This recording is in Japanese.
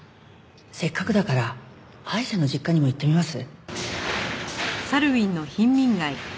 せっかくだからアイシャの実家にも行ってみます？